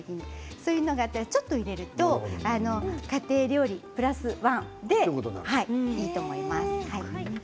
そういうのを入れると家庭料理プラスワンでいいと思います。